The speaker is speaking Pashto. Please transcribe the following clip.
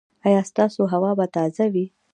ایا ستاسو هوا به تازه وي؟